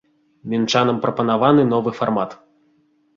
Мінчанам прапанаваны новы фармат.